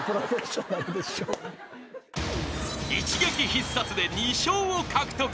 ［一撃必殺で２笑を獲得。